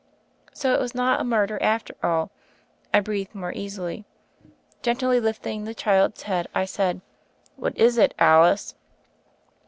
So it was not a murder after all. I breathed more easily. Gently lifting the child's head, I said * "What is it, Alice?"